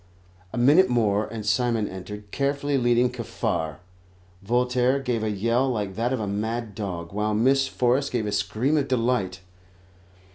A minute more and Simon entered, carefully leading Kaffar. Voltaire gave a yell like that of a mad dog, while Miss Forrest gave a scream of delight.